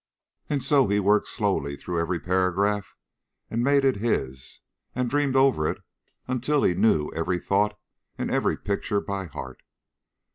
And so he worked slowly through every paragraph and made it his and dreamed over it until he knew every thought and every picture by heart.